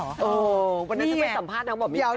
เออวันนั้นจะไปสัมภาษณ์น้องบอกมีแฟนนะคะ